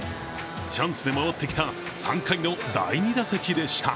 チャンスで回ってきた３回の第２打席でした。